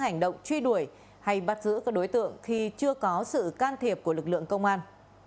hành động truy đuổi hay bắt giữ các đối tượng khi chưa có sự can thiệp của lực lượng công an